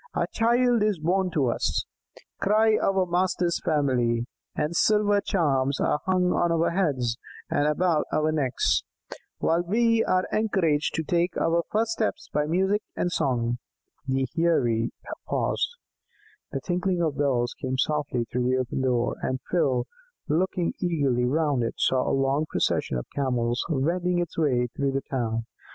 'A child is born to us,' cry our master's family; and silver charms are hung on our heads and about our necks, while we are encouraged to take our first steps by music and song." The Heirie paused. The tinkling of bells came softly through the open door, and Phil, looking eagerly round it, saw a long procession of Camels wending its way through the town.